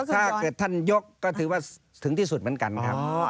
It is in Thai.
ถ้าเกิดท่านยกก็ถือว่าถึงที่สุดเหมือนกันครับ